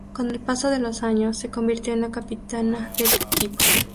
Con el paso de los años, se convirtió en la capitana del equipo.